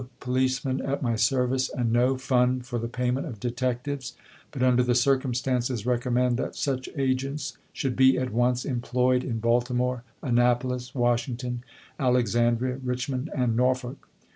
policemen at my service, and no fund for the payment of detectives, but under the circumstances recommend that such agents should be at once employed in Baltimore, Annapolis, Washington, Alexandria, Richmond, and Nor folk.